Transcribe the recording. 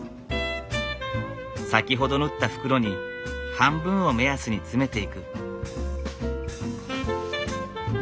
先ほど縫った袋に半分を目安に詰めていく。